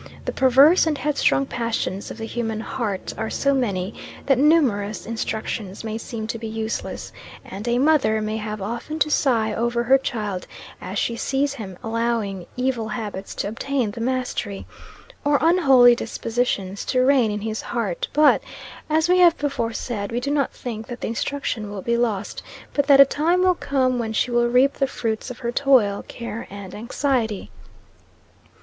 The perverse and headstrong passions of the human heart are so many, that numerous instructions may seem to be useless, and a mother may have often to sigh over her child as she sees him allowing evil habits to obtain the mastery, or unholy dispositions to reign in his heart; but, as we have before said, we do not think that the instruction will be lost, but that a time will come when she will reap the fruits of her toil, care and anxiety.